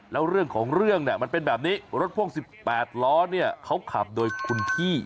แล้วเรื่องของเรื่องเนี่ยมันเป็นแบบนี้รถพ่วง๑๘ล้อเนี่ยเขาขับโดยคุณพี่